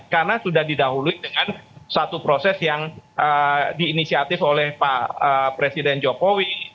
karena sudah didahului dengan satu proses yang diinisiatif oleh pak presiden jokowi